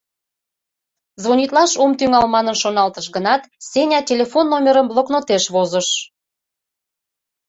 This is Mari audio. Звонитлаш ом тӱҥал манын шоналтыш гынат, Сеня телефон номерым блокнотеш возыш.